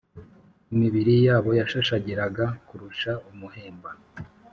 imibiri yabo yashashagiraga kurusha umuhemba,